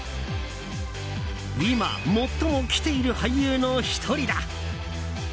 今、最もきている俳優の１人だ。